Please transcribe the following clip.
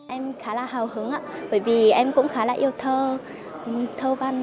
em khá là hào hứng ạ bởi vì em cũng khá là yêu thơ văn